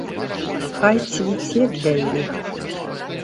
Хай цвіце для іх.